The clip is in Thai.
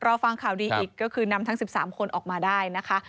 รอฟังข่าวดีอีกก็คือนำทั้ง๑๓คนออกมาได้นะคะ